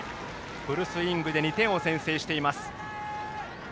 フルスイングで２点を先制しています。